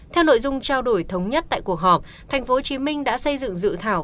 theo nội dung trao đổi thống nhất tại cuộc họp tp hcm đã xây dựng dự thảo